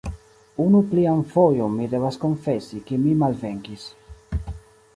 Unu plian fojon mi devas konfesi ke mi malvenkis.